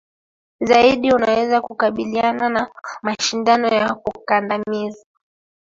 zaidi unaweza kukabiliana na mashindano ya kukandamiza